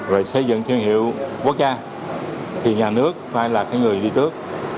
về xây dựng thương hiệu quốc gia thì nhà nước phải là người đi trước